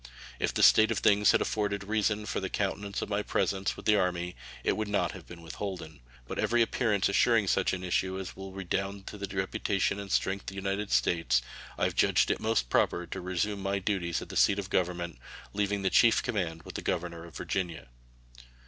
If the state of things had afforded reason for the continuance of my presence with the army, it would not have been withholden. But every appearance assuring such an issue as will redound to the reputation and strength of the United States, I have judged it most proper to resume my duties at the seat of Government, leaving the chief command with the governor of Virginia.